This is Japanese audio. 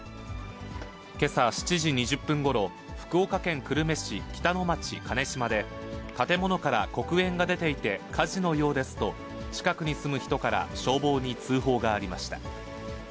けさ７時２０分ごろ、福岡県久留米市北野町金島で、建物から黒煙が出ていて、火事のようですと、近くに住む人から消防に通報がありました。